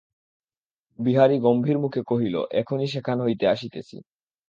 বিহারী গম্ভীরমুখে কহিল, এখনি সেখান হইতে আসিতেছি।